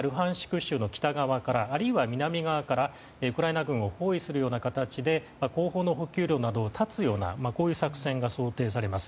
州の北側からあるいは南側からウクライナ軍を包囲するような形で後方の補給路などを断つようなこういう作戦が想定されます。